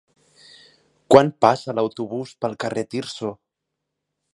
Quan passa l'autobús pel carrer Tirso?